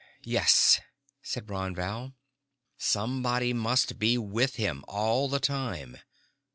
"Yes," said Ron Val. "Somebody must be with him all the time.